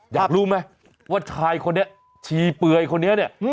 อยากรู้ไหมว่าชายคนนี้ชีเปลือยคนนี้เนี่ย